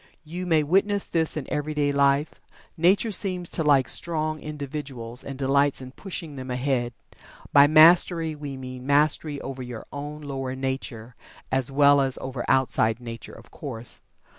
You may witness this in everyday life Nature seems to like strong individuals, and delights in pushing them ahead. By Mastery, we mean mastery over your own lower nature, as well as over outside nature, of course.